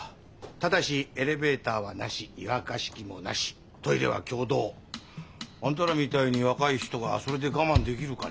ただしエレベーターはなし湯沸かし器もなしトイレは共同。あんたらみたいに若い人がそれで我慢できるかね？